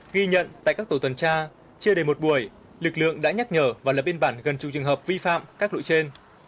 ghi nhận tại các tổ tuần tra chưa đầy một buổi lực lượng đã nhắc nhở và lập biên bản gần chục trường hợp vi phạm các lỗi trên